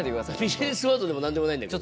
ビジネスワードでも何でもないんだけど。